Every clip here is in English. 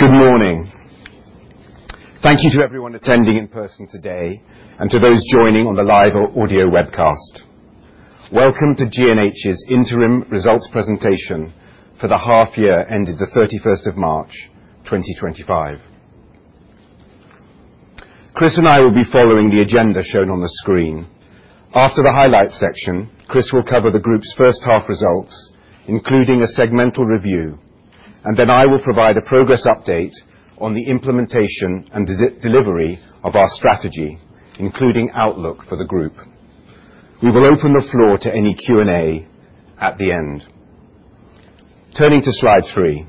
Good morning. Thank you to everyone attending in person today and to those joining on the live or audio webcast. Welcome to G&H's interim results presentation for the half year ended the 31st of March, 2025. Chris and I will be following the agenda shown on the screen. After the highlights section, Chris will cover the Group's first half results, including a segmental review, and then I will provide a progress update on the implementation and delivery of our strategy, including outlook for the Group. We will open the floor to any Q&A at the end. Turning to slide 3.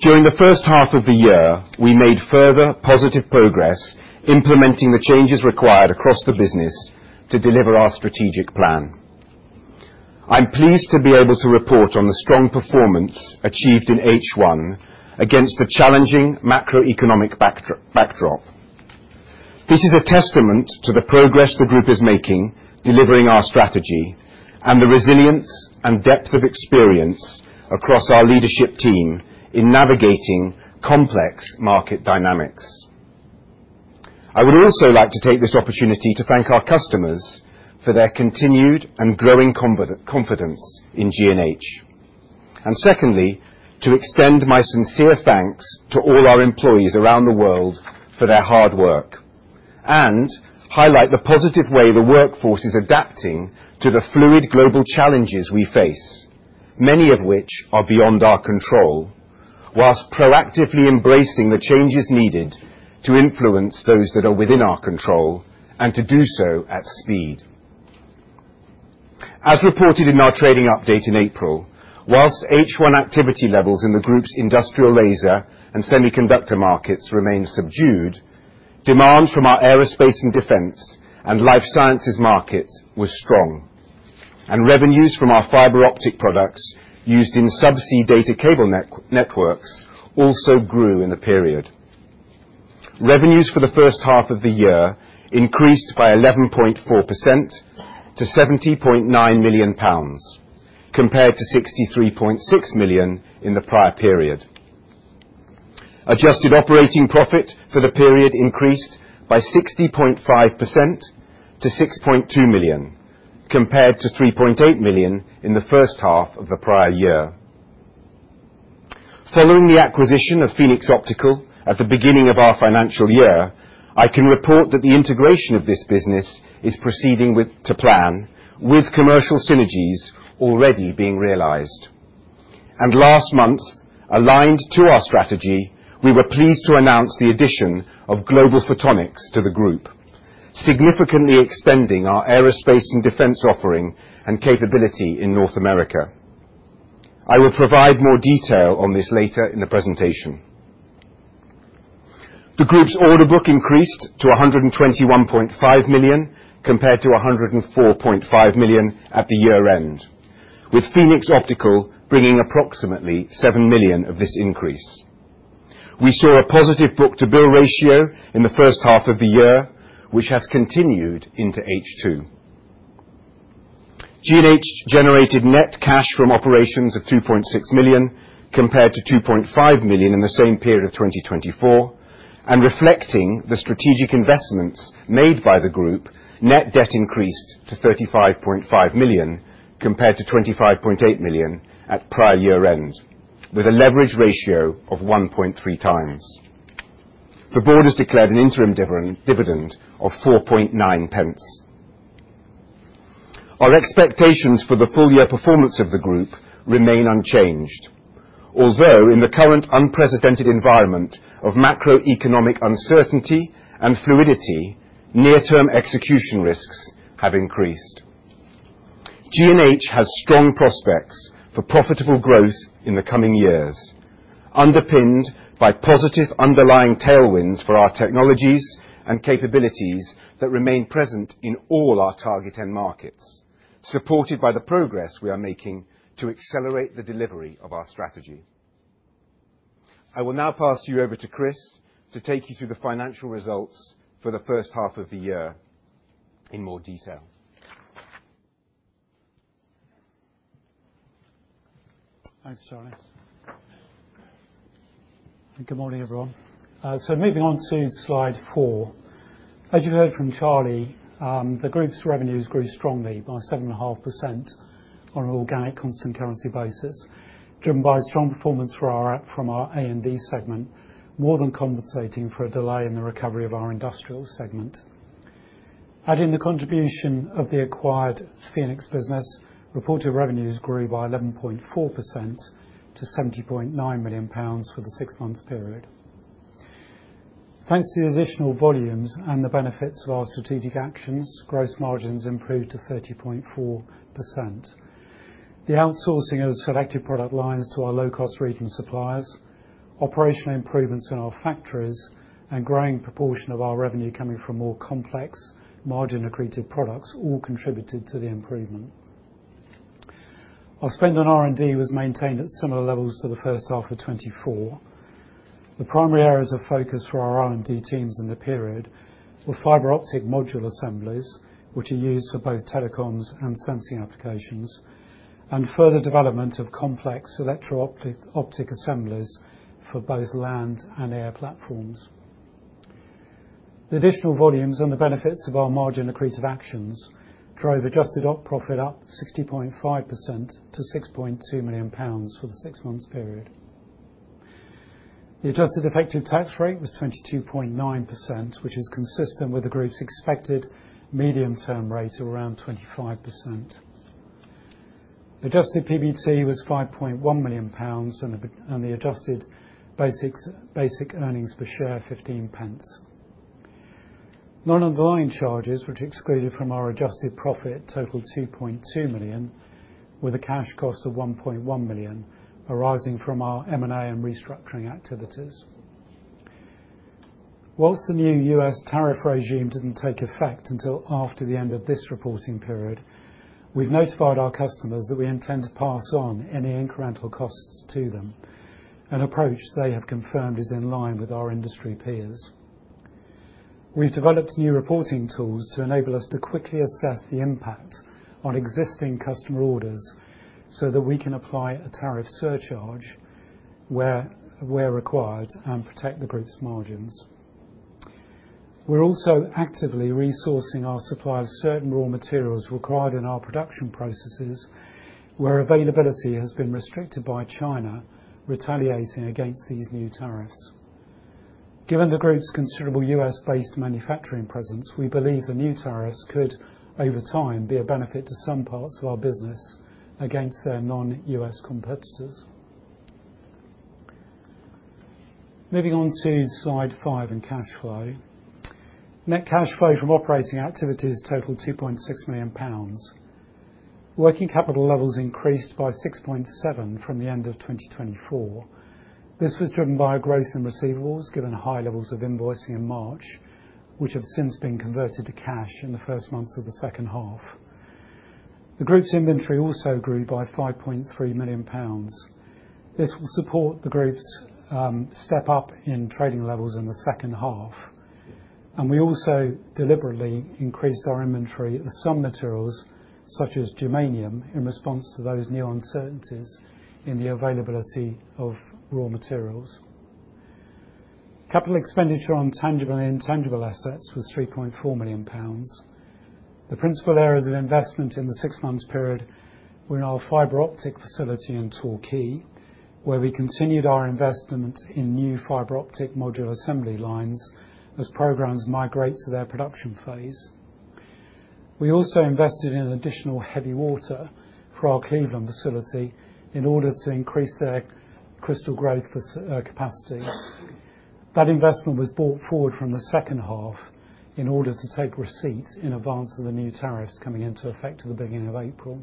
During the first half of the year, we made further positive progress implementing the changes required across the business to deliver our strategic plan. I'm pleased to be able to report on the strong performance achieved in H1 against a challenging macroeconomic backdrop. This is a testament to the progress the Group is making, delivering our strategy and the resilience and depth of experience across our leadership team in navigating complex market dynamics. I would also like to take this opportunity to thank our customers for their continued and growing confidence in G&H. Secondly, to extend my sincere thanks to all our employees around the world for their hard work, and highlight the positive way the workforce is adapting to the fluid global challenges we face, many of which are beyond our control, whilst proactively embracing the changes needed to influence those that are within our control and to do so at speed. As reported in our trading update in April, whilst H1 activity levels in the Group's industrial laser and semiconductor markets remain subdued, demand from our aerospace and defense and life sciences market was strong. Revenues from our fiber optic products used in subsea data cable networks also grew in the period. Revenues for the first half of the year increased by 11.4% to £70.9 million, compared to £63.6 million in the prior period. Adjusted operating profit for the period increased by 60.5% to £6.2 million, compared to £3.8 million in the first half of the prior year. Following the acquisition of Phoenix Optical at the beginning of our financial year, I can report that the integration of this business is proceeding to plan, with commercial synergies already being realized. Last month, aligned to our strategy, we were pleased to announce the addition of Global Photonics to the Group, significantly extending our aerospace and defense offering and capability in North America. I will provide more detail on this later in the presentation. The Group's order book increased to 121.5 million, compared to 104.5 million at the year-end, with Phoenix Optical bringing approximately 7 million of this increase. We saw a positive book-to-bill ratio in the first half of the year, which has continued into H2. G&H generated net cash from operations of 2.6 million, compared to 2.5 million in the same period of 2024. Reflecting the strategic investments made by the Group, net debt increased to 35.5 million, compared to 25.8 million at prior year-end, with a leverage ratio of 1.3 times. The board has declared an interim dividend of 0.049. Our expectations for the full year performance of the Group remain unchanged. Although in the current unprecedented environment of macroeconomic uncertainty and fluidity, near-term execution risks have increased. G&H has strong prospects for profitable growth in the coming years, underpinned by positive underlying tailwinds for our technologies and capabilities that remain present in all our target end markets, supported by the progress we are making to accelerate the delivery of our strategy. I will now pass you over to Chris to take you through the financial results for the first half of the year in more detail. Thanks, Charlie. Good morning, everyone. Moving on to slide four. As you heard from Charlie, the Group's revenues grew strongly by 7.5% on an organic constant currency basis, driven by strong performance from our A&D segment, more than compensating for a delay in the recovery of our industrial segment. Adding the contribution of the acquired Phoenix business, reported revenues grew by 11.4% to 70.9 million pounds for the six months period. Thanks to the additional volumes and the benefits of our strategic actions, gross margins improved to 30.4%. The outsourcing of selected product lines to our low-cost region suppliers, operational improvements in our factories, and growing proportion of our revenue coming from more complex margin accretive products all contributed to the improvement. Our spend on R&D was maintained at similar levels to the first half of 2024. The primary areas of focus for our R&D teams in the period were fiber optic module assemblies, which are used for both telecoms and sensing applications, and further development of complex electro-optic assemblies for both land and air platforms. The additional volumes and the benefits of our margin accretive actions drove adjusted operating profit up 60.5% to 6.2 million pounds for the six-month period. The adjusted effective tax rate was 22.9%, which is consistent with the group's expected medium-term rate of around 25%. Adjusted PBT was 5.1 million pounds and the adjusted basic earnings per share 15 pence. Non-underlying charges which excluded from our adjusted profit totaled 2.2 million, with a cash cost of 1.1 million arising from our M&A and restructuring activities. While the new U.S. tariff regime didn't take effect until after the end of this reporting period, we've notified our customers that we intend to pass on any incremental costs to them, an approach they have confirmed is in line with our industry peers. We've developed new reporting tools to enable us to quickly assess the impact on existing customer orders so that we can apply a tariff surcharge where required and protect the group's margins. We're also actively resourcing our supply of certain raw materials required in our production processes, where availability has been restricted by China retaliating against these new tariffs. Given the group's considerable US-based manufacturing presence, we believe the new tariffs could, over time, be a benefit to some parts of our business against their non-US competitors. Moving on to slide five in cash flow. Net cash flow from operating activities totaled 2.6 million pounds. Working capital levels increased by 6.7 million from the end of 2024. This was driven by a growth in receivables given high levels of invoicing in March, which have since been converted to cash in the first months of the second half. The group's inventory also grew by 5.3 million pounds. This will support the group's step-up in trading levels in the second half, and we also deliberately increased our inventory of some materials, such as germanium, in response to those new uncertainties in the availability of raw materials. Capital expenditure on tangible and intangible assets was 3.4 million pounds. The principal areas of investment in the six months period were in our fiber optic facility in Torquay, where we continued our investment in new fiber optic module assembly lines as programs migrate to their production phase. We also invested in additional heavy water for our Cleveland facility in order to increase their crystal growth capacity. That investment was brought forward from the second half in order to take receipt in advance of the new tariffs coming into effect at the beginning of April.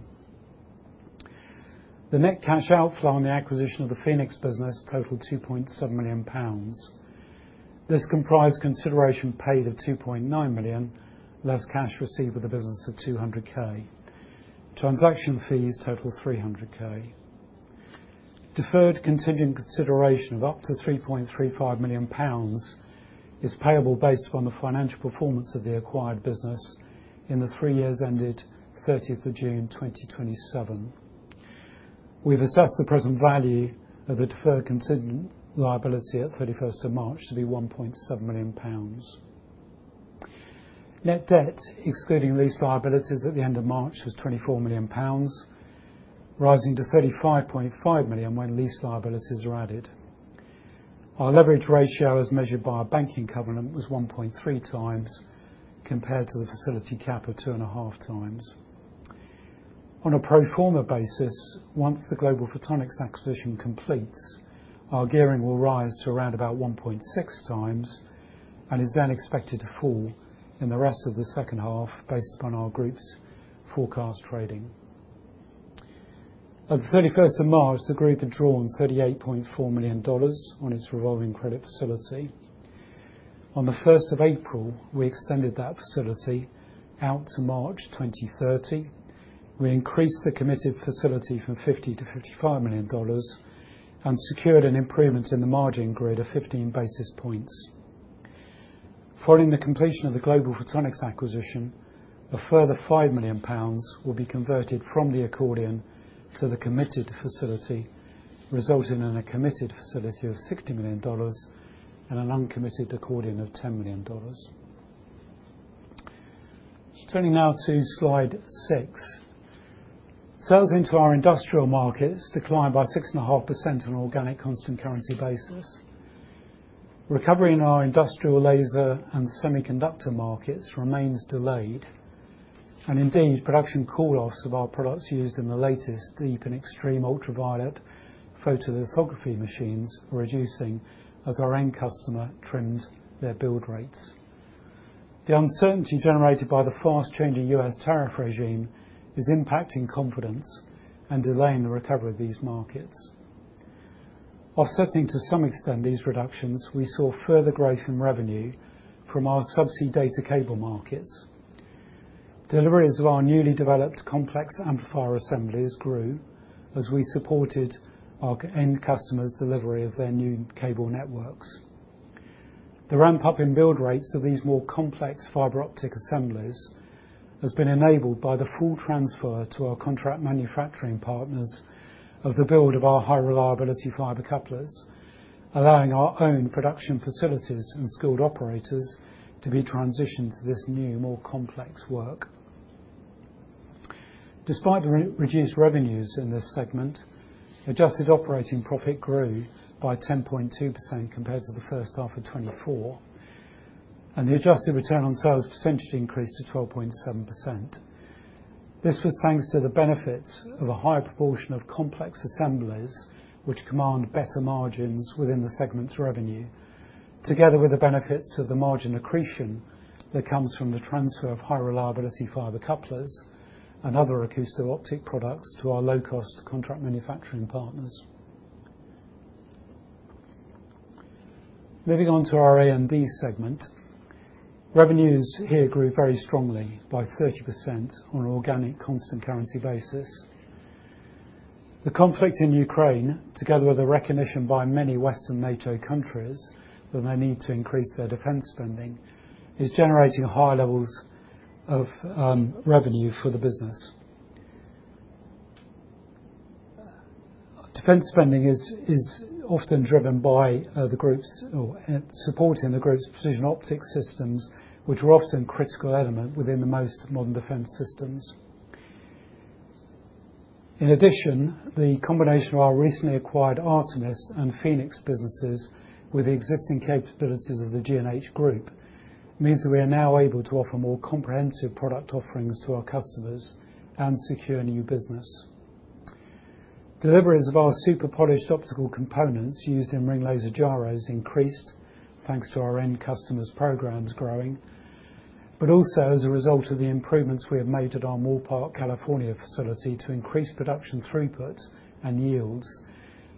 The net cash outflow on the acquisition of the Phoenix Optical business totaled 2.7 million pounds. This comprised consideration paid of 2.9 million, less cash received with the business of 200K. Transaction fees totaled 300K. Deferred contingent consideration of up to 3.35 million pounds is payable based on the financial performance of the acquired business in the three years ended thirtieth of June 2027. We've assessed the present value of the deferred contingent liability at 31st of March to be 1.7 million pounds. Net debt, excluding lease liabilities at the end of March, was 24 million pounds, rising to 35.5 million when lease liabilities are added. Our leverage ratio, as measured by our banking covenant, was 1.3 times compared to the facility cap of 2.5 times. On a pro forma basis, once the Global Photonics acquisition completes, our gearing will rise to around about 1.6 times and is then expected to fall in the rest of the second half based upon our group's forecast trading. At the 31st of March, the group had drawn $38.4 million on its revolving credit facility. On the 1st of April, we extended that facility out to March 2030. We increased the committed facility from $50 million to $55 million and secured an improvement in the margin grade of 15 basis points. Following the completion of the Global Photonics acquisition, a further 5 million pounds will be converted from the accordion to the committed facility, resulting in a committed facility of $60 million and an uncommitted accordion of $10 million. Turning now to slide 6. Sales into our industrial markets declined by 6.5% on an organic constant currency basis. Recovery in our industrial laser and semiconductor markets remains delayed, and indeed production call-offs of our products used in the latest deep and extreme ultraviolet photolithography machines were reducing as our end customer trimmed their build rates. The uncertainty generated by the fast-changing US tariff regime is impacting confidence and delaying the recovery of these markets. Offsetting to some extent these reductions, we saw further growth in revenue from our subsea data cable markets. Deliveries of our newly developed complex amplifier assemblies grew as we supported our key end customers' delivery of their new cable networks. The ramp-up in build rates of these more complex fiber optic assemblies has been enabled by the full transfer to our contract manufacturing partners of the build of our high reliability fiber couplers, allowing our own production facilities and skilled operators to be transitioned to this new, more complex work. Despite reduced revenues in this segment, adjusted operating profit grew by 10.2% compared to the first half of 2024, and the adjusted return on sales percentage increased to 12.7%. This was thanks to the benefits of a higher proportion of complex assemblies which command better margins within the segment's revenue, together with the benefits of the margin accretion that comes from the transfer of high reliability fiber couplers and other acousto-optic products to our low-cost contract manufacturing partners. Moving on to our A&D segment. Revenues here grew very strongly by 30% on an organic constant currency basis. The conflict in Ukraine, together with the recognition by many Western NATO countries that they need to increase their defense spending, is generating high levels of revenue for the business. Defense spending is often driven by supporting the group's precision optics systems, which are often critical element within the most modern defense systems. In addition, the combination of our recently acquired Artemis and Phoenix businesses with the existing capabilities of the G&H group means that we are now able to offer more comprehensive product offerings to our customers and secure new business. Deliveries of our super polished optical components used in ring laser gyros increased thanks to our end customers' programs growing, but also as a result of the improvements we have made at our Moorpark, California facility to increase production throughput and yields,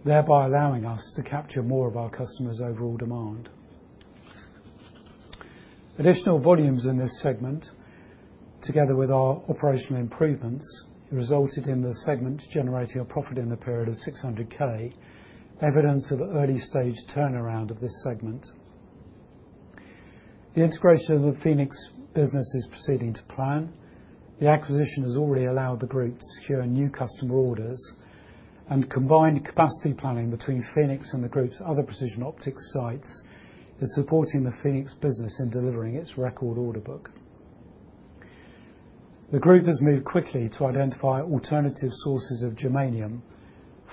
thereby allowing us to capture more of our customers' overall demand. Additional volumes in this segment, together with our operational improvements, resulted in the segment generating a profit in the period of 600K, evidence of early stage turnaround of this segment. The integration of the Phoenix business is proceeding to plan. The acquisition has already allowed the group to secure new customer orders, and combined capacity planning between Phoenix and the group's other precision optics sites is supporting the Phoenix business in delivering its record order book. The group has moved quickly to identify alternative sources of germanium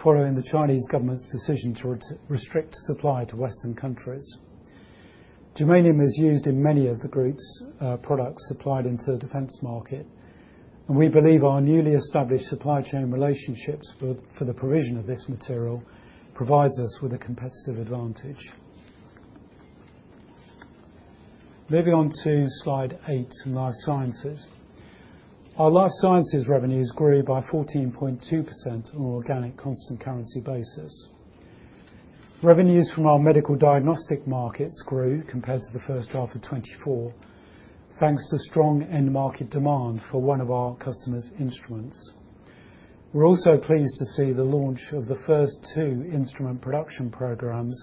following the Chinese government's decision to restrict supply to Western countries. Germanium is used in many of the group's products supplied into the defense market, and we believe our newly established supply chain relationships for the provision of this material provides us with a competitive advantage. Moving on to slide 8 in Life Sciences. Our Life Sciences revenues grew by 14.2% on an organic constant currency basis. Revenues from our medical diagnostic markets grew compared to the first half of 2024, thanks to strong end market demand for one of our customers' instruments. We're also pleased to see the launch of the first two instrument production programs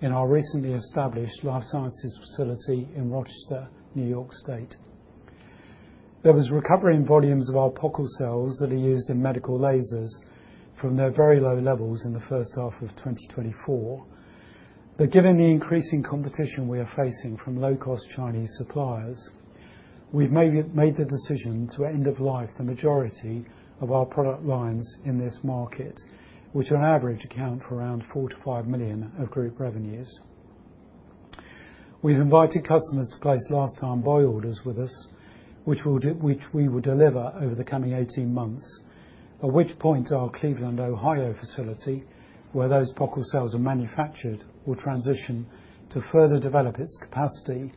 in our recently established Life Sciences facility in Rochester, New York State. There was recovery in volumes of our Pockels cells that are used in medical lasers from their very low levels in the first half of 2024. Given the increasing competition we are facing from low-cost Chinese suppliers, we've made the decision to end of life the majority of our product lines in this market, which on average account for around 4-5 million of group revenues. We've invited customers to place last time buy orders with us, which we will deliver over the coming 18 months, at which point our Cleveland, Ohio facility, where those Pockels cells are manufactured, will transition to further develop its capacity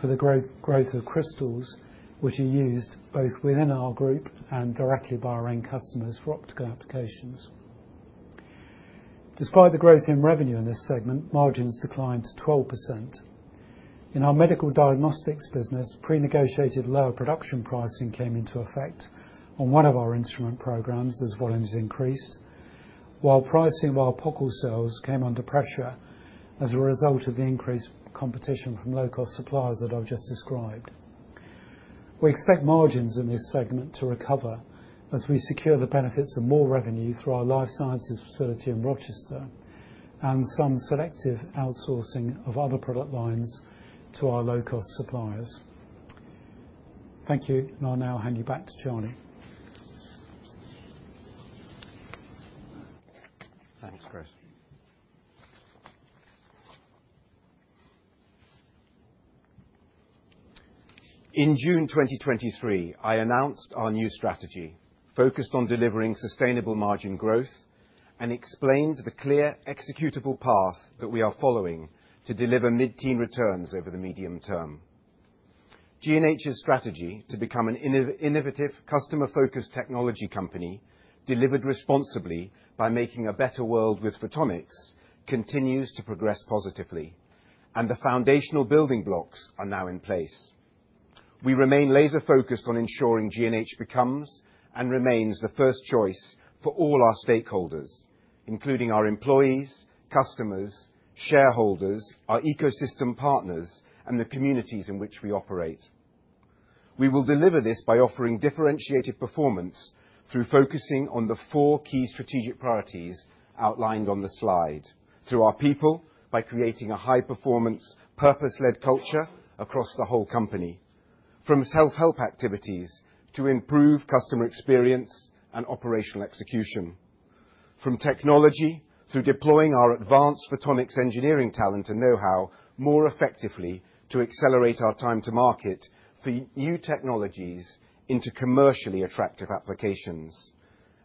for the growth of crystals, which are used both within our group and directly by our end customers for optical applications. Despite the growth in revenue in this segment, margins declined to 12%. In our medical diagnostics business, pre-negotiated lower production pricing came into effect on one of our instrument programs as volumes increased, while pricing of our Pockels cells came under pressure as a result of the increased competition from low-cost suppliers that I've just described. We expect margins in this segment to recover as we secure the benefits of more revenue through our Life Sciences facility in Rochester and some selective outsourcing of other product lines to our low-cost suppliers. Thank you. I'll now hand you back to Charlie. Thanks, Chris. In June 2023, I announced our new strategy focused on delivering sustainable margin growth and explained the clear executable path that we are following to deliver mid-teen returns over the medium term. G&H's strategy to become an innovative customer-focused technology company delivered responsibly by making a better world with photonics continues to progress positively. The foundational building blocks are now in place. We remain laser-focused on ensuring G&H becomes and remains the first choice for all our stakeholders, including our employees, customers, shareholders, our ecosystem partners, and the communities in which we operate. We will deliver this by offering differentiated performance through focusing on the four key strategic priorities outlined on the slide. Through our people by creating a high-performance, purpose-led culture across the whole company, from self-help activities to improve customer experience and operational execution, from technology through deploying our advanced photonics engineering talent and know-how more effectively to accelerate our time to market the new technologies into commercially attractive applications,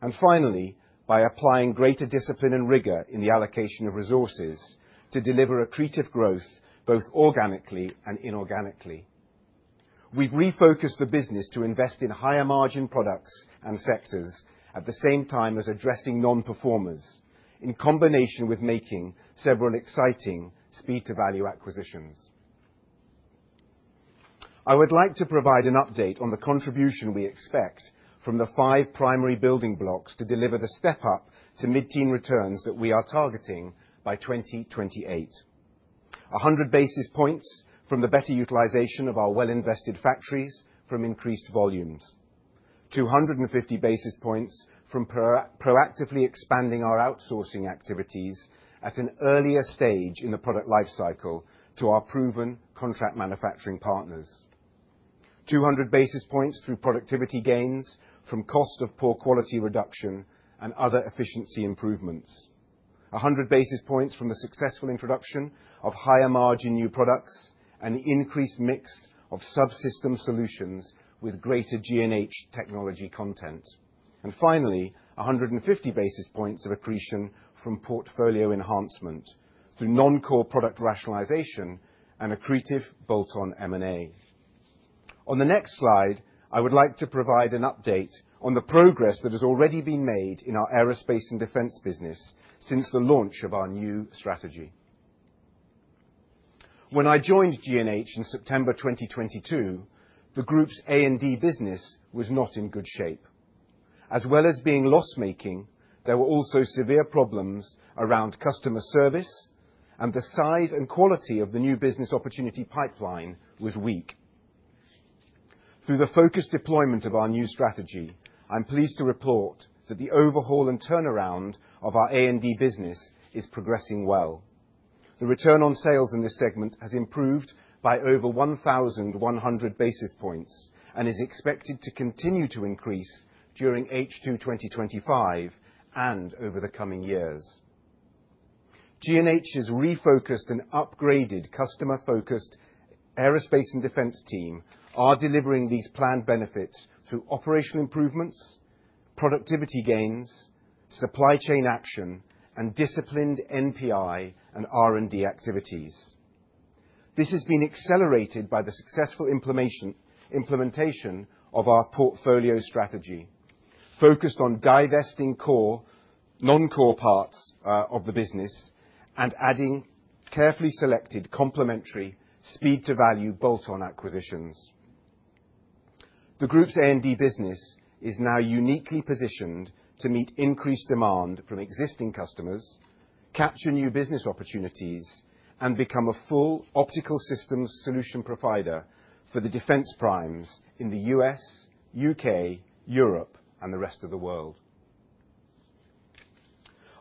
and finally, by applying greater discipline and rigor in the allocation of resources to deliver accretive growth both organically and inorganically. We've refocused the business to invest in higher margin products and sectors at the same time as addressing non-performers, in combination with making several exciting speed-to-value acquisitions. I would like to provide an update on the contribution we expect from the five primary building blocks to deliver the step up to mid-teen returns that we are targeting by 2028. 100 basis points from the better utilization of our well-invested factories from increased volumes. 250 basis points from proactively expanding our outsourcing activities at an earlier stage in the product life cycle to our proven contract manufacturing partners. 200 basis points through productivity gains from cost of poor quality reduction and other efficiency improvements. 100 basis points from the successful introduction of higher margin new products and increased mix of subsystem solutions with greater G&H technology content. Finally, 150 basis points of accretion from portfolio enhancement through non-core product rationalization and accretive bolt-on M&A. On the next slide, I would like to provide an update on the progress that has already been made in our Aerospace & Defense business since the launch of our new strategy. When I joined G&H in September 2022, the group's A&D business was not in good shape. As well as being loss-making, there were also severe problems around customer service, and the size and quality of the new business opportunity pipeline was weak. Through the focused deployment of our new strategy, I'm pleased to report that the overhaul and turnaround of our A&D business is progressing well. The return on sales in this segment has improved by over 1,100 basis points and is expected to continue to increase during H2 2025 and over the coming years. G&H's refocused and upgraded customer-focused aerospace and defense team are delivering these planned benefits through operational improvements, productivity gains, supply chain action, and disciplined NPI and R&D activities. This has been accelerated by the successful implementation of our portfolio strategy, focused on divesting non-core parts of the business, and adding carefully selected complementary speed-to-value bolt-on acquisitions. The group's A&D business is now uniquely positioned to meet increased demand from existing customers, capture new business opportunities, and become a full optical systems solution provider for the defense primes in the U.S., U.K., Europe, and the rest of the world.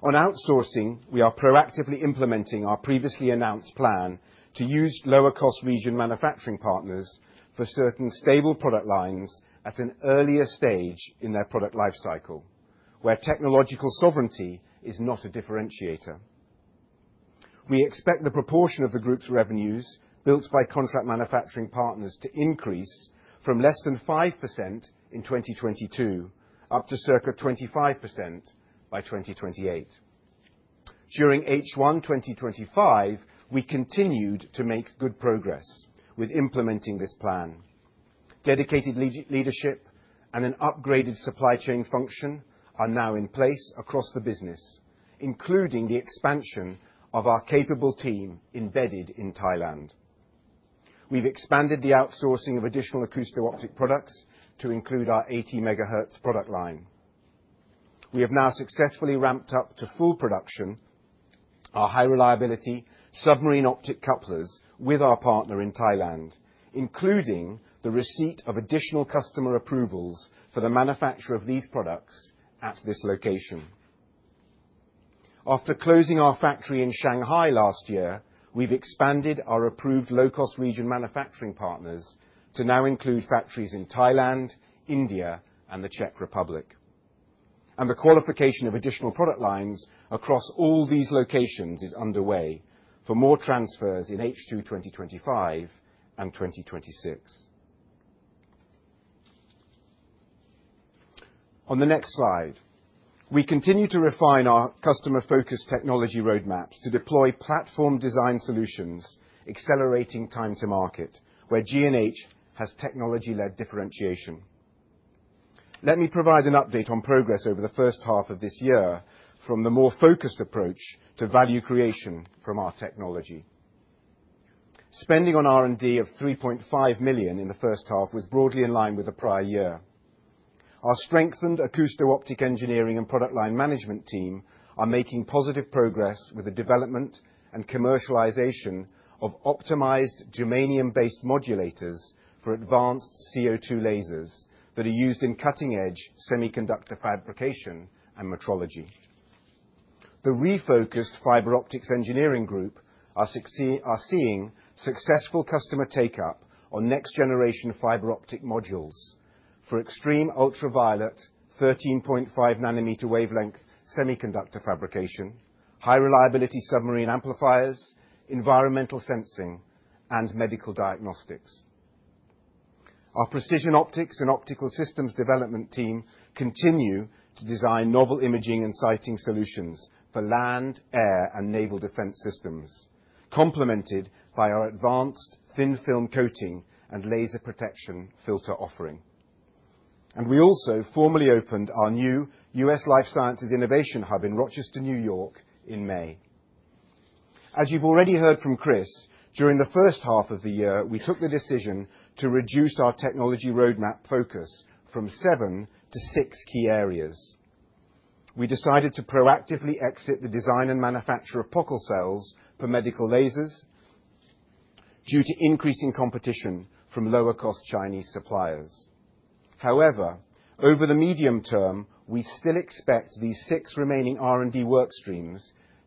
On outsourcing, we are proactively implementing our previously announced plan to use lower-cost region manufacturing partners for certain stable product lines at an earlier stage in their product life cycle, where technological sovereignty is not a differentiator. We expect the proportion of the group's revenues built by contract manufacturing partners to increase from less than 5% in 2022 up to circa 25% by 2028. During H1 2025, we continued to make good progress with implementing this plan. Dedicated leadership and an upgraded supply chain function are now in place across the business, including the expansion of our capable team embedded in Thailand. We've expanded the outsourcing of additional acousto-optic products to include our 80 MHz product line. We have now successfully ramped up to full production our high-reliability submarine optic couplers with our partner in Thailand, including the receipt of additional customer approvals for the manufacture of these products at this location. After closing our factory in Shanghai last year, we've expanded our approved low-cost region manufacturing partners to now include factories in Thailand, India, and the Czech Republic. The qualification of additional product lines across all these locations is underway for more transfers in H2 2025 and 2026. On the next slide, we continue to refine our customer-focused technology roadmaps to deploy platform design solutions, accelerating time to market, where G&H has technology-led differentiation. Let me provide an update on progress over the first half of this year from the more focused approach to value creation from our technology. Spending on R&D of 3.5 million in the first half was broadly in line with the prior year. Our strengthened acousto-optic engineering and product line management team are making positive progress with the development and commercialization of optimized germanium-based modulators for advanced CO2 lasers that are used in cutting-edge semiconductor fabrication and metrology. The refocused fiber optics engineering group are seeing successful customer take-up on next generation fiber optic modules for extreme ultraviolet 13.5 nanometer wavelength semiconductor fabrication, high reliability submarine amplifiers, environmental sensing, and medical diagnostics. Our precision optics and optical systems development team continue to design novel imaging and sighting solutions for land, air, and naval defense systems, complemented by our advanced thin film coating and laser protection filter offering. We also formally opened our new U.S. Life Sciences Innovation Hub in Rochester, New York in May. As you've already heard from Chris, during the first half of the year, we took the decision to reduce our technology roadmap focus from seven to six key areas. We decided to proactively exit the design and manufacture of Pockels cells for medical lasers due to increasing competition from lower cost Chinese suppliers. However, over the medium term, we still expect these six remaining R&D workstreams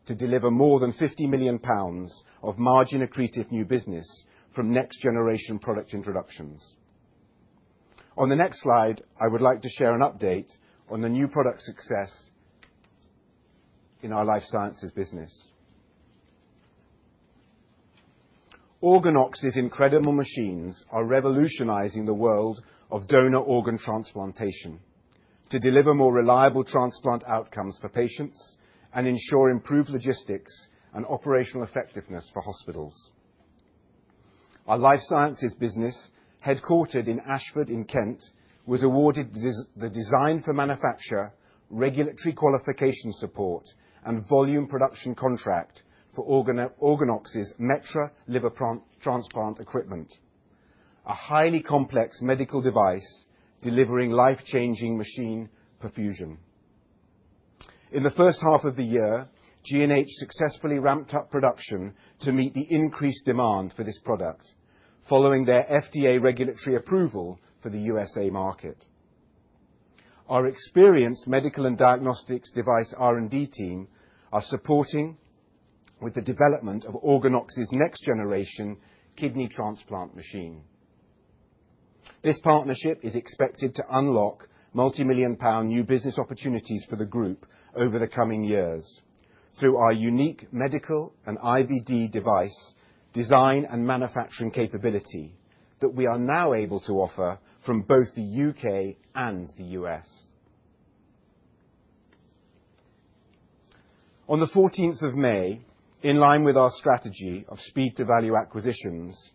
to deliver more than 50 million pounds of margin accretive new business from next generation product introductions. On the next slide, I would like to share an update on the new product success in our Life Sciences business. OrganOx's incredible machines are revolutionizing the world of donor organ transplantation to deliver more reliable transplant outcomes for patients and ensure improved logistics and operational effectiveness for hospitals. Our Life Sciences business, headquartered in Ashford in Kent, was awarded the design for manufacture, regulatory qualification support, and volume production contract for OrganOx's metra liver transplant equipment, a highly complex medical device delivering life-changing machine perfusion. In the first half of the year, G&H successfully ramped up production to meet the increased demand for this product following their FDA regulatory approval for the USA market. Our experienced medical and diagnostics device R&D team are supporting with the development of OrganOx's next generation kidney transplant machine. This partnership is expected to unlock multi-million-pound new business opportunities for the group over the coming years through our unique medical and IVD device design and manufacturing capability that we are now able to offer from both the U.K. and the U.S. On the fourteenth of May, in line with our strategy of speed to value acquisitions,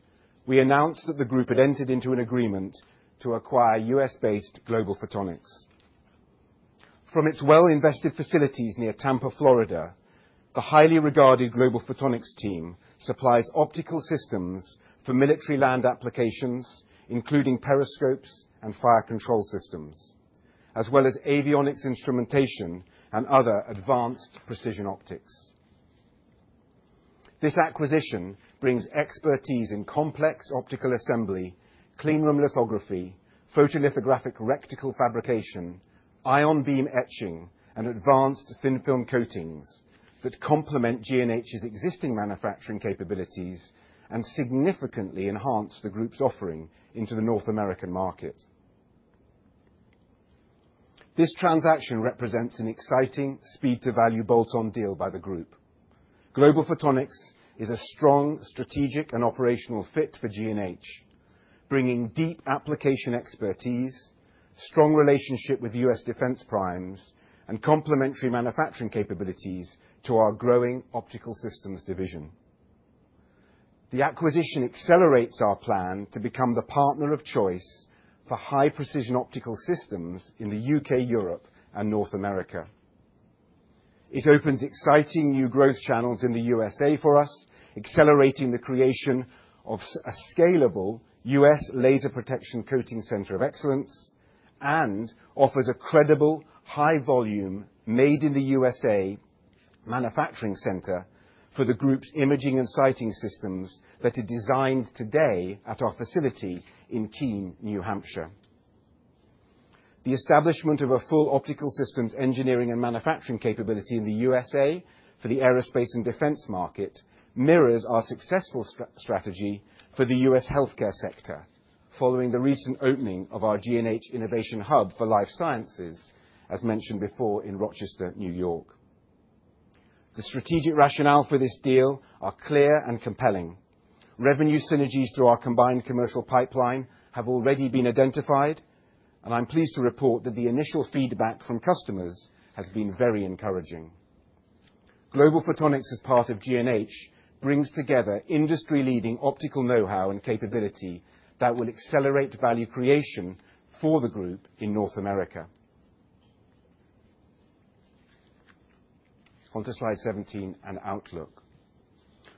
we announced that the group had entered into an agreement to acquire U.S.-based Global Photonics. From its well-invested facilities near Tampa, Florida, the highly regarded Global Photonics team supplies optical systems for military land applications, including periscopes and fire control systems, as well as avionics instrumentation and other advanced precision optics. This acquisition brings expertise in complex optical assembly, clean room lithography, photolithographic reticle fabrication, ion beam etching, and advanced thin-film coatings that complement G&H's existing manufacturing capabilities and significantly enhance the group's offering into the North American market. This transaction represents an exciting speed to value bolt-on deal by the group. Global Photonics is a strong strategic and operational fit for G&H, bringing deep application expertise, strong relationship with U.S. Defense primes, and complementary manufacturing capabilities to our growing optical systems division. The acquisition accelerates our plan to become the partner of choice for high precision optical systems in the U.K., Europe, and North America. It opens exciting new growth channels in the USA for us, accelerating the creation of a scalable U.S. laser protection coating center of excellence, and offers a credible high volume made in the USA manufacturing center for the group's imaging and sighting systems that are designed today at our facility in Keene, New Hampshire. The establishment of a full optical systems engineering and manufacturing capability in the USA for the aerospace and defense market mirrors our successful strategy for the US healthcare sector following the recent opening of our G&H Innovation Hub for Life Sciences, as mentioned before in Rochester, New York. The strategic rationale for this deal are clear and compelling. Revenue synergies through our combined commercial pipeline have already been identified, and I'm pleased to report that the initial feedback from customers has been very encouraging. Global Photonics is part of G&H, brings together industry-leading optical know-how and capability that will accelerate value creation for the group in North America. On to slide 17 and outlook.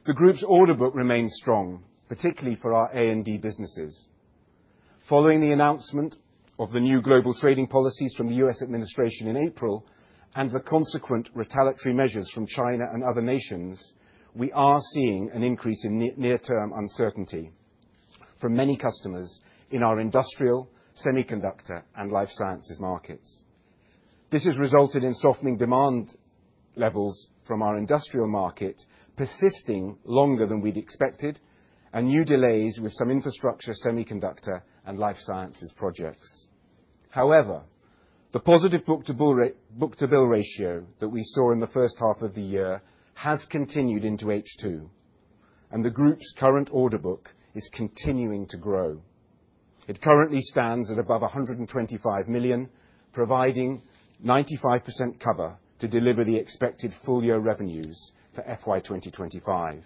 The group's order book remains strong, particularly for our A&D businesses. Following the announcement of the new global trading policies from the U.S. administration in April, and the consequent retaliatory measures from China and other nations, we are seeing an increase in near-term uncertainty for many customers in our industrial, semiconductor, and life sciences markets. This has resulted in softening demand levels from our industrial market persisting longer than we'd expected, and new delays with some infrastructure, semiconductor, and life sciences projects. However, the positive book-to-bill ratio that we saw in the first half of the year has continued into H2, and the group's current order book is continuing to grow. It currently stands at above 125 million, providing 95% cover to deliver the expected full year revenues for FY 2025.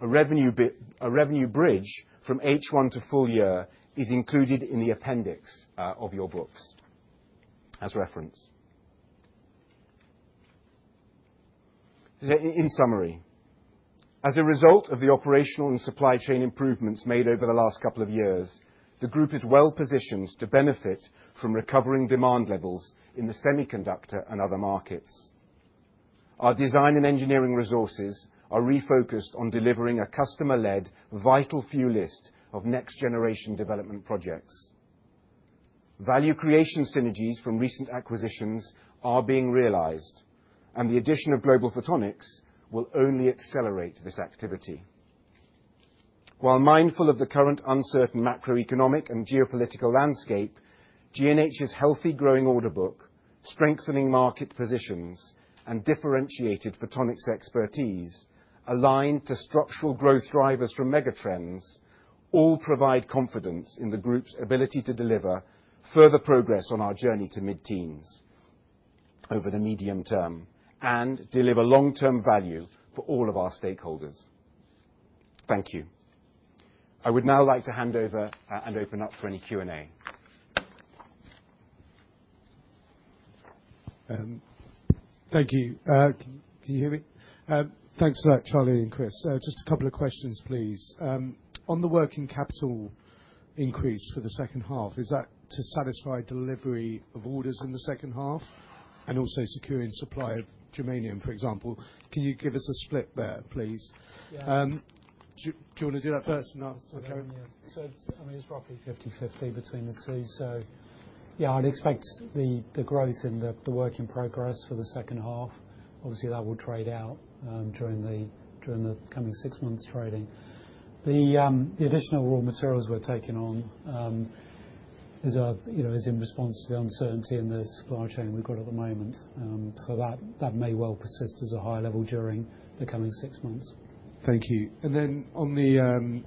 A revenue bridge from H1 to full year is included in the appendix of your books as reference. In summary, as a result of the operational and supply chain improvements made over the last couple of years, the group is well positioned to benefit from recovering demand levels in the semiconductor and other markets. Our design and engineering resources are refocused on delivering a customer-led vital few list of next generation development projects. Value creation synergies from recent acquisitions are being realized, and the addition of Global Photonics will only accelerate this activity. While mindful of the current uncertain macroeconomic and geopolitical landscape, G&H's healthy growing order book, strengthening market positions, and differentiated photonics expertise, aligned to structural growth drivers from megatrends, all provide confidence in the group's ability to deliver further progress on our journey to mid-teens over the medium term, and deliver long-term value for all of our stakeholders. Thank you. I would now like to hand over and open up for any Q&A. Thank you. Can you hear me? Thanks a lot, Charlie and Chris. Just a couple of questions, please. On the working capital increase for the second half, is that to satisfy delivery of orders in the second half, and also securing supply of germanium, for example? Can you give us a split there, please? Yeah. Do you wanna do that first? I'll Okay. Yeah. It's, I mean, it's roughly 50/50 between the two. Yeah, I'd expect the growth in the work in progress for the second half. Obviously, that will trade out during the coming six months trading. The additional raw materials we're taking on is, you know, in response to the uncertainty in the supply chain we've got at the moment. That may well persist as a higher level during the coming six months. Thank you. On the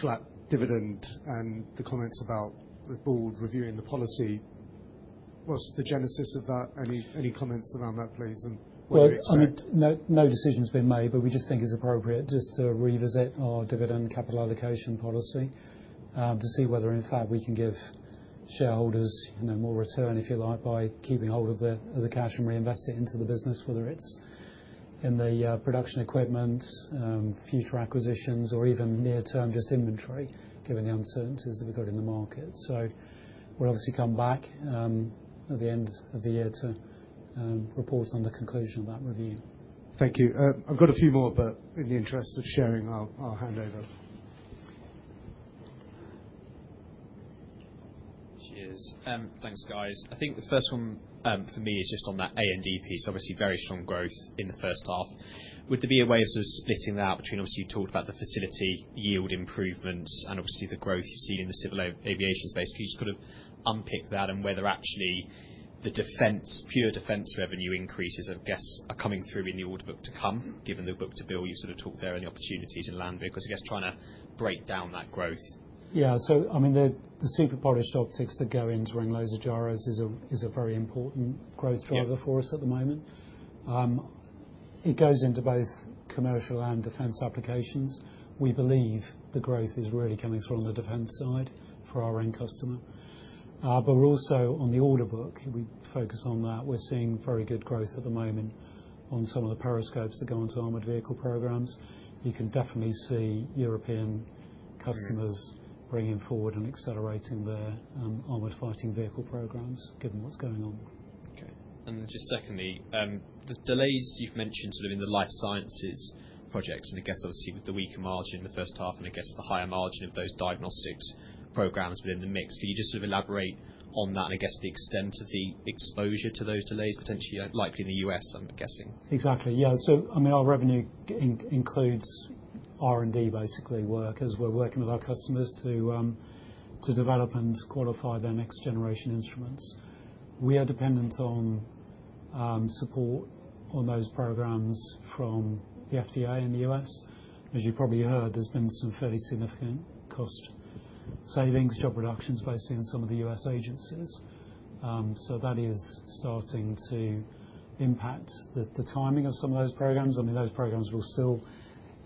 flat dividend and the comments about the board reviewing the policy, what's the genesis of that? Any comments around that, please, and what do we expect? Well, I mean, no decision's been made, but we just think it's appropriate just to revisit our dividend capital allocation policy, to see whether in fact we can give shareholders, you know, more return, if you like, by keeping hold of the cash and reinvest it into the business, whether it's in the production equipment, future acquisitions, or even near-term just inventory, given the uncertainties that we've got in the market. We'll obviously come back at the end of the year to report on the conclusion of that review. Thank you. I've got a few more, but in the interest of sharing, I'll hand over. Cheers. Thanks, guys. I think the first one for me is just on that A&D piece. Obviously, very strong growth in the first half. Would there be a way of sort of splitting that between obviously you talked about the facility yield improvements and obviously the growth you've seen in the civil aviation space. Can you just kind of unpick that and whether actually the defense, pure defense revenue increases I guess are coming through in the order book to come, given the book-to-bill, you sort of talked there any opportunities in land because I guess trying to break down that growth. Yeah. I mean, the super polished optics that go into ring laser gyros is a very important growth driver. Yeah For us at the moment. It goes into both commercial and defense applications. We believe the growth is really coming from the defense side for our end customer. We're also on the order book, we focus on that, we're seeing very good growth at the moment on some of the periscopes that go onto armored vehicle programs. You can definitely see European customers bringing forward and accelerating their armored fighting vehicle programs given what's going on. Okay. Just secondly, the delays you've mentioned sort of in the life sciences projects and I guess obviously with the weaker margin in the first half and I guess the higher margin of those diagnostics programs within the mix. Can you just sort of elaborate on that and I guess the extent of the exposure to those delays potentially likely in the US, I'm guessing? Exactly. Yeah. I mean, our revenue includes R&D basically work as we're working with our customers to develop and qualify their next generation instruments. We are dependent on support on those programs from the FDA in the US. As you probably heard, there's been some fairly significant cost. Savings, job reductions, basically in some of the U.S. agencies. That is starting to impact the timing of some of those programs. I mean, those programs will still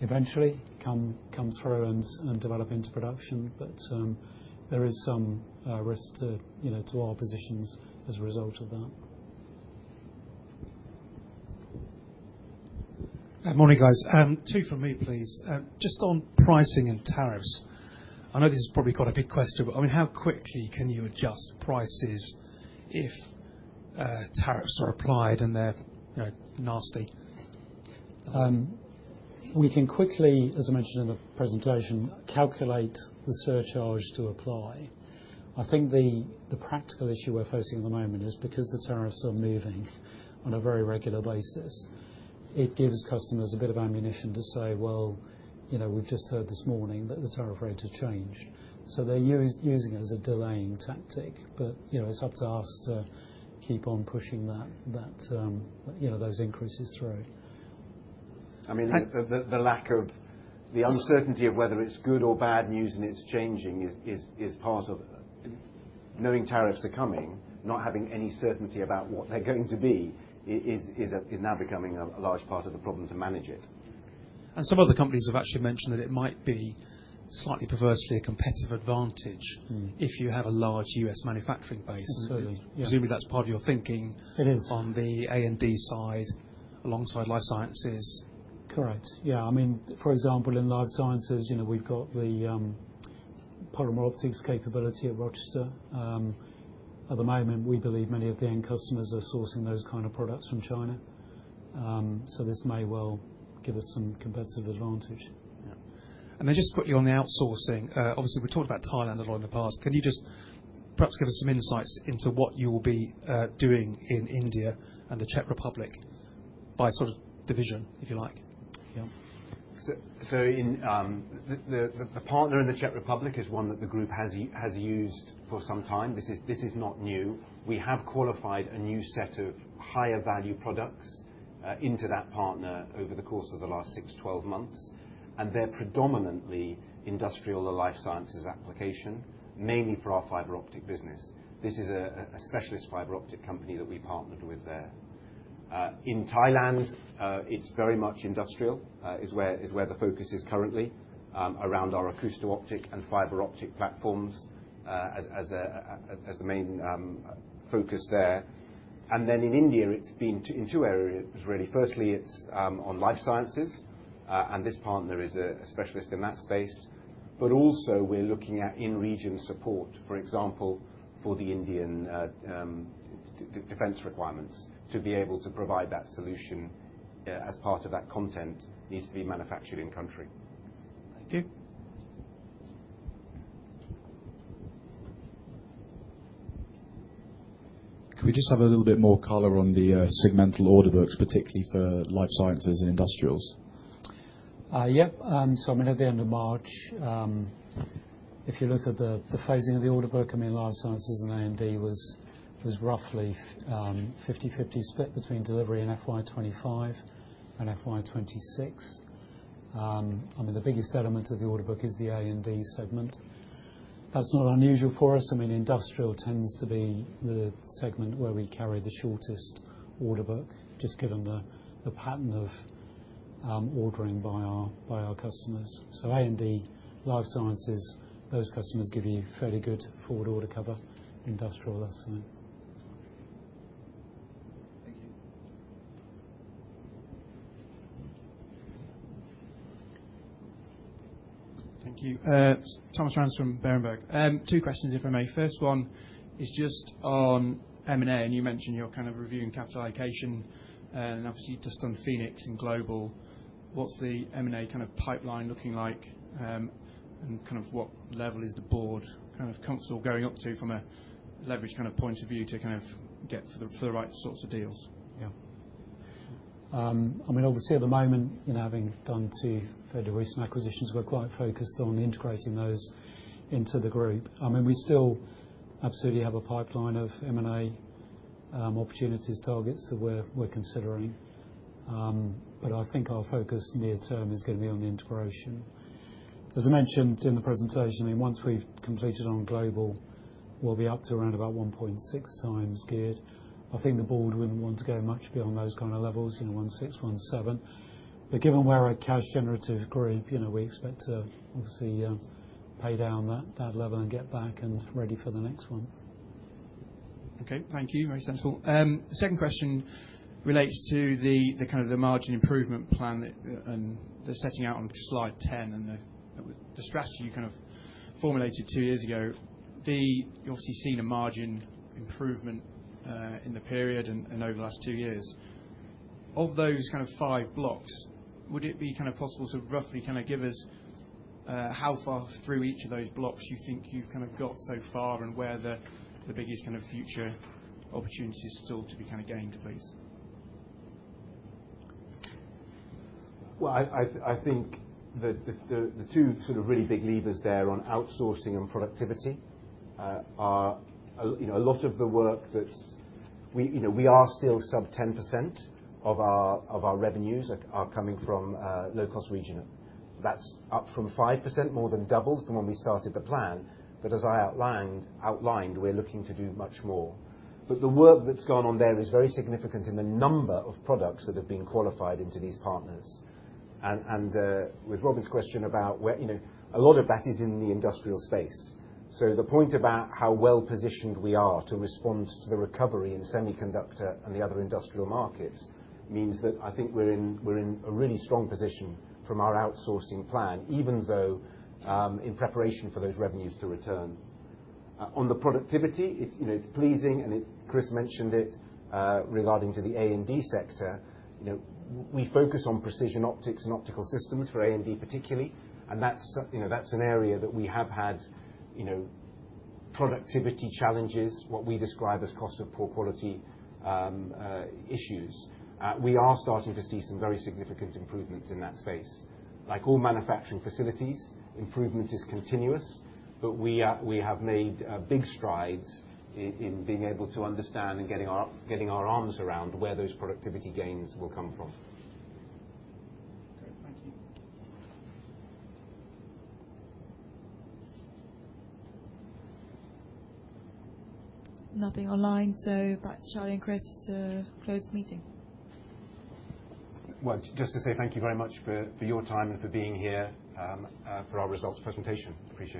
eventually come through and develop into production. There is some risk to, you know, to our positions as a result of that. Good morning, guys. 2 for me, please. Just on pricing and tariffs. I know this has probably got a big question, but I mean, how quickly can you adjust prices if tariffs are applied and they're, you know, nasty? We can quickly, as I mentioned in the presentation, calculate the surcharge to apply. I think the practical issue we're facing at the moment is because the tariffs are moving on a very regular basis, it gives customers a bit of ammunition to say, "Well, you know, we've just heard this morning that the tariff rates have changed." They're using it as a delaying tactic. You know, it's up to us to keep on pushing that, you know, those increases through. I mean, the lack of the uncertainty of whether it's good or bad news and it's changing is part of knowing tariffs are coming, not having any certainty about what they're going to be is now becoming a large part of the problem to manage it. Some other companies have actually mentioned that it might be slightly, perversely, a competitive advantage. Mm. If you have a large U.S. manufacturing base. Absolutely. Yeah. Presumably that's part of your thinking. It is. On the A&D side alongside life sciences. Correct. Yeah. I mean, for example, in life sciences, you know, we've got the polymer optics capability at Rochester. At the moment, we believe many of the end customers are sourcing those kind of products from China. This may well give us some competitive advantage. Yeah. Just quickly on the outsourcing, obviously we've talked about Thailand a lot in the past. Can you just perhaps give us some insights into what you'll be doing in India and the Czech Republic by sort of division, if you like? Yeah. In the partner in the Czech Republic is one that the group has used for some time. This is not new. We have qualified a new set of higher value products into that partner over the course of the last 6-12 months, and they're predominantly industrial or life sciences application, mainly for our fiber optic business. This is a specialist fiber optic company that we partnered with there. In Thailand, it's very much industrial is where the focus is currently around our acousto-optic and fiber optic platforms as the main focus there. In India, it's been in two areas, really. Firstly, it's on life sciences, and this partner is a specialist in that space. also we're looking at in-region support, for example, for the Indian defense requirements to be able to provide that solution, as part of that content needs to be manufactured in country. Thank you. Can we just have a little bit more color on the segmental order books, particularly for life sciences and industrials? I mean, at the end of March, if you look at the phasing of the order book, I mean, life sciences and A&D was roughly 50/50 split between delivery and FY 2025 and FY 2026. I mean, the biggest element of the order book is the A&D segment. That's not unusual for us. I mean, industrial tends to be the segment where we carry the shortest order book, just given the pattern of ordering by our customers. A&D, life sciences, those customers give you fairly good forward order cover. Industrial, that's new. Thank you. Thank you. Thomas Rance from Berenberg. Two questions, if I may. First one is just on M&A, and you mentioned you're kind of reviewing capital allocation, and obviously you've just done Phoenix and Global. What's the M&A kind of pipeline looking like? What level is the board kind of comfortable going up to from a leverage kind of point of view to kind of get for the right sorts of deals? Yeah. I mean, obviously at the moment, you know, having done two Federal Western acquisitions, we're quite focused on integrating those into the group. I mean, we still absolutely have a pipeline of M&A opportunities, targets that we're considering. I think our focus near term is gonna be on the integration. As I mentioned in the presentation, I mean, once we've completed on Global, we'll be up to around about 1.6 times geared. I think the board wouldn't want to go much beyond those kind of levels, you know, 1.6, 1.7. Given we're a cash generative group, you know, we expect to obviously pay down that level and get back and ready for the next one. Okay. Thank you. Very sensible. The second question relates to the kind of margin improvement plan that they're setting out on slide 10 and the strategy you kind of formulated two years ago. You've obviously seen a margin improvement in the period and over the last two years. Of those kind of five blocks, would it be kind of possible to roughly kind of give us how far through each of those blocks you think you've kind of got so far, and where the biggest kind of future opportunities still to be kind of gained, please? I think the two sort of really big levers there on outsourcing and productivity are, you know, a lot of the work. We you know are still sub 10% of our revenues are coming from low-cost regions. That's up from 5%, more than doubled from when we started the plan. As I outlined, we're looking to do much more. The work that's gone on there is very significant in the number of products that have been qualified into these partners. With Robin's question about where, you know, a lot of that is in the industrial space. The point about how well-positioned we are to respond to the recovery in semiconductor and the other industrial markets means that I think we're in a really strong position from our outsourcing plan, even though in preparation for those revenues to return. On the productivity, it's pleasing, and Chris mentioned it regarding the A&D sector. We focus on precision optics and optical systems for A&D particularly, and that's an area that we have had productivity challenges, what we describe as cost of poor quality issues. We are starting to see some very significant improvements in that space. Like all manufacturing facilities, improvement is continuous, but we have made big strides in being able to understand and getting our arms around where those productivity gains will come from. Okay, thank you. Nothing online, so back to Charlie and Chris to close the meeting. Well, just to say thank you very much for your time and for being here, for our results presentation. Appreciate it.